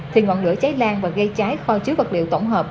thì ngọn lửa cháy lan và gây cháy kho chứa vật liệu tổng hợp